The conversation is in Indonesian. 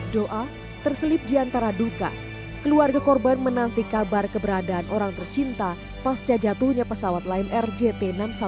doa terselip di antara duka keluarga korban menanti kabar keberadaan orang tercinta pasca jatuhnya pesawat lion air jt enam ratus sepuluh